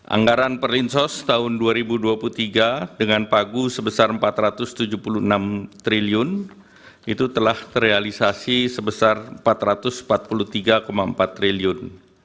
anggaran perlinsos tahun dua ribu dua puluh tiga dengan pagu sebesar rp empat ratus tujuh puluh enam triliun itu telah terrealisasi sebesar rp empat ratus empat puluh tiga empat triliun